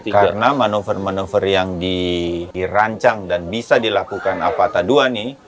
karena manuver manuver yang dirancang dan bisa dilakukan avata dua ini